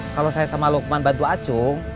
kalau saya sama lukman bantu acung